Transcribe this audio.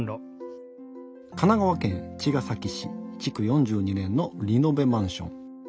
神奈川県茅ヶ崎市築４２年のリノベマンション。